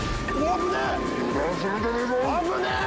危ねえ！